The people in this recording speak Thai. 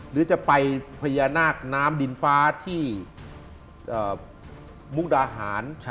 หรือจะไปพญานาคน้ำดินฟ้าที่มุกดาหาร